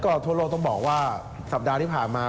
ก็ทั่วโลกต้องบอกว่าสัปดาห์ที่ผ่านมา